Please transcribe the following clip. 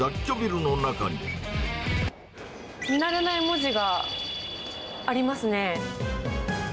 見慣れない文字がありますね。